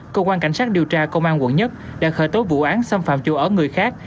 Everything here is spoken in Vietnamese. cơ quan cảnh sát điều tra công an quận một đã khởi tố vụ án xâm phạm chủ ở người khác